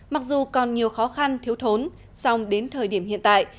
mặc dù còn nhiều khó khăn thiếu thốn song đến thời điểm hiện tại